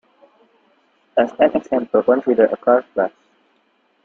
As an example, consider a car class.